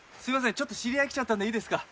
ちょっと知り合い来ちゃったんでいいですか？